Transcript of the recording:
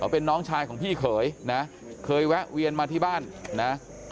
เป็นน้องชายของพี่เขยนะเคยแวะเวียนมาที่บ้านนะ